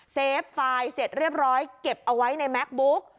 เฟฟไฟล์เสร็จเรียบร้อยเก็บเอาไว้ในแม็กบุ๊ก